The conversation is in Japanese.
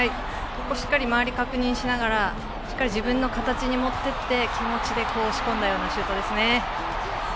しっかり周りを確認しながらしっかり自分の形に持っていって気持ちで押し込んだようなシュートでしたね。